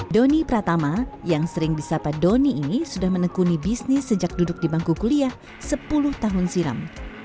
doni pratama yang sering disapa doni ini sudah menekuni bisnis sejak duduk di bangku kuliah sepuluh tahun silam